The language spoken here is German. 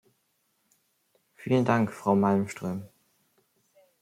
Vielen Dank, Frau Malmström.